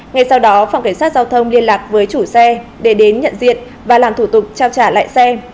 ngay sau đó phòng cảnh sát giao thông liên lạc với chủ xe để đến nhận diện và làm thủ tục trao trả lại xe